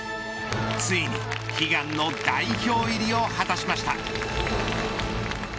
ついに悲願の代表入りを果たしました。